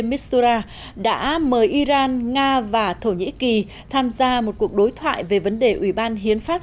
mosura đã mời iran nga và thổ nhĩ kỳ tham gia một cuộc đối thoại về vấn đề ủy ban hiến pháp